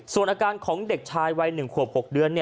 ส่วนอาการของเด็กชายวัย๑ขวบ๖เดือน